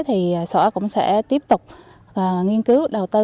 thì sở cũng sẽ tiếp tục nghiên cứu đầu tư